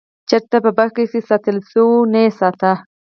چېرته په بکس کې ساتلی شوو نه یې ساته.